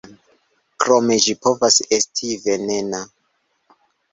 Krome ĝi povas esti venena.